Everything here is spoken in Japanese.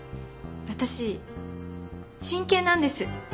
私真剣なんです。